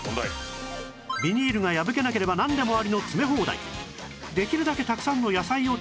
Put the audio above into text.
ビニールが破けなければなんでもありの詰め放題